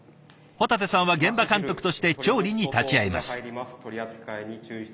保立さんは現場監督として調理に立ち会います。